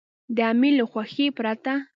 د امیر له خوښې پرته.